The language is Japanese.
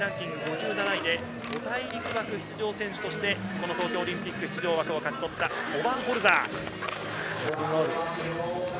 ５大陸枠出場選手として東京オリンピック出場枠を勝ち取ったオバーホルザー。